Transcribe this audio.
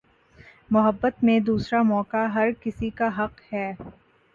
محبت میں دوسرا موقع ہر کسی کا حق ہے